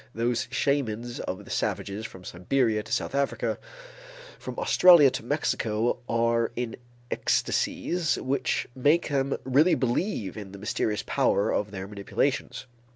Those shamans of the savages from Siberia to South Africa, from Australia to Mexico, are in ecstasies which make them really believe in the mysterious power of their manipulations.